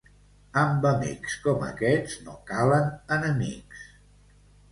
Amb amics com aquests no calen enemics.